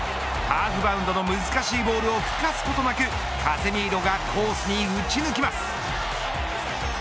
ハーフバウンドの難しいボールをふかすことなくカゼミーロがコースに打ち抜きます。